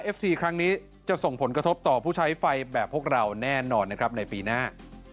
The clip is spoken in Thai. ครั้งนี้จะส่งผลกระทบต่อผู้ใช้ไฟแบบพวกเราแน่นอนนะครับในปีหน้า